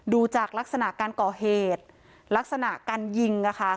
ดูจากลักษณะการก่อเหตุลักษณะการยิง